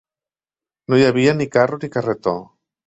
No hi havia ni carro, ni carretó